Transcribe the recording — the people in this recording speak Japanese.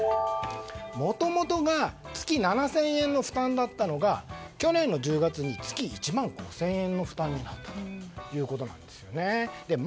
もともと月７０００円の負担だったのが、去年の１０月に月１万５０００円の負担になったということなんですよね。